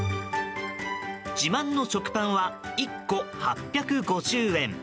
自慢の食パンは１個８５０円。